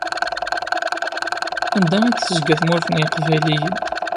Anda i d-tezga tamurt n yeqbayliyen?